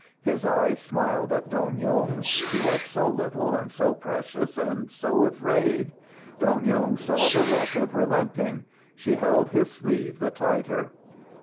His eyes smiled at Dong Yung. She was so little and so precious and so afraid! Dong Yung saw the look of relenting. She held his sleeve the tighter.